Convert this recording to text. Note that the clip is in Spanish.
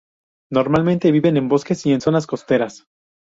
Normalmente viven en bosques y en zonas costeras.